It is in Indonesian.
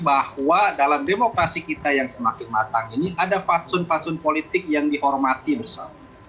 bahwa dalam demokrasi kita yang semakin matang ini ada fatsun fatsun politik yang dihormati bersama